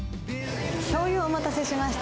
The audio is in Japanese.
しょうゆ、お待たせしました。